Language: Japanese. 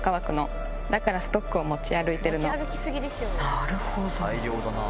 なるほど。